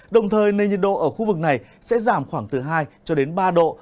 đồng thời nền nhiệt độ ở khu vực này sẽ giảm khoảng từ hai cho đến ba độ